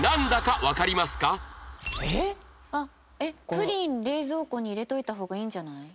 プリン冷蔵庫に入れておいた方がいいんじゃない？